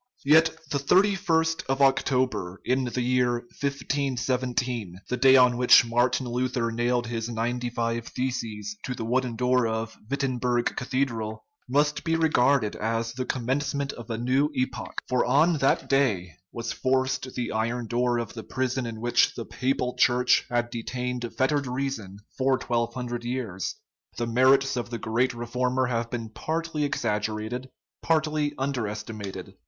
Yet the 3ist of October in the year 1517, the day on which Martin Luther nailed his ninety five theses to the wooden door of Wittenburg Cathedral, must be regarded as the commencement of a new epoch; for on that day was forced the iron door of the prison in which the Papal Church had detained fettered reason for twelve hundred years. The merits of the great re former have been partly exaggerated, partly underesti mated.